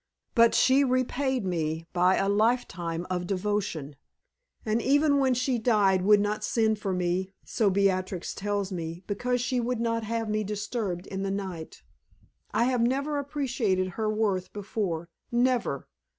But she repaid me by a life time of devotion, and even when she died would not send for me so Beatrix tells me because she would not have me disturbed in the night. I have never appreciated her worth before never!